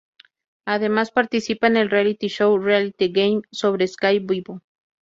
Además participa en el reality show "Reality Game" sobre Sky Vivo.